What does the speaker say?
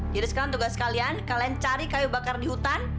jadi sekarang tugas kalian kalian cari kayu bakar di hutan